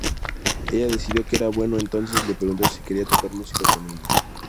Ella decidió que era bueno entonces le preguntó si quería tocar música con ella.